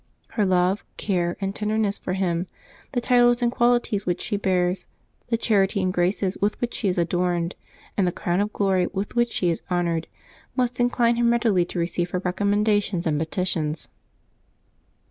Her love, care, and tenderness for Him, the title and qualities which she bears, the charity and graces with which she is adorned, and the crown of glory with which she is honored, must incline Him readily to receive her recommendations and petitions.